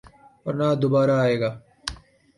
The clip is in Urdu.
اور نہ دوبارہ آئے گا۔